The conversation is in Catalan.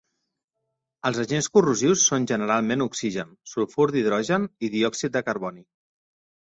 Els agents corrosius són generalment oxigen, sulfur d'hidrogen i diòxid de carboni.